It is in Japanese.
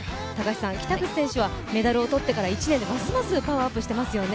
北口選手はメダルを取ってから１年で、ますますパワーアップしてますよね。